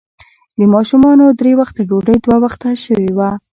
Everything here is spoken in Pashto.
د ماشومانو درې وخته ډوډۍ، دوه وخته شوې وه.